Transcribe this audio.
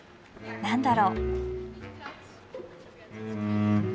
何だろう？